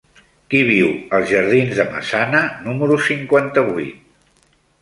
Qui viu als jardins de Massana número cinquanta-vuit?